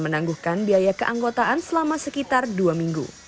menangguhkan biaya keanggotaan selama sekitar dua minggu